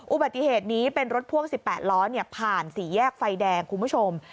อุบัติเหตุนี้เป็นรถพ่วง๑๘ล้อผ่านสี่แยกไฟแดงคุณผู้ชม